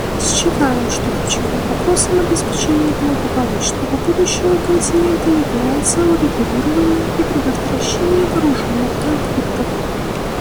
Считаем, что ключевым вопросом обеспечения благополучного будущего континента является урегулирование и предотвращение вооруженных конфликтов.